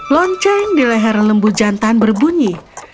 lonceng di leher lembut jantan berbunyi